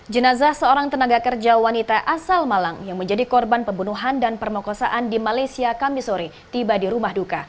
jenazah seorang tenaga kerja wanita asal malang yang menjadi korban pembunuhan dan permokosaan di malaysia kamisore tiba di rumah duka